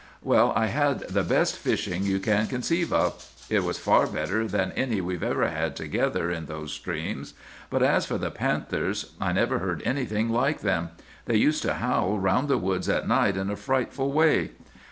"'Well, I had the best fishing you can conceive of. It was far better than any we've ever had together in those streams. But as for the panthers, I never heard anything like them. They used to howl round the woods at night in a frightful way.